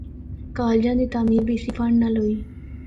کالجاں دی تعمیر بھی اسی فنڈ نال ہوئی۔